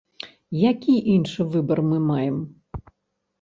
Які іншы выбар мы маем!?